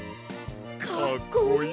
かっこいいよな！